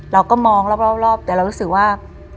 เราก็มองรอบแต่เรารู้สึกว่า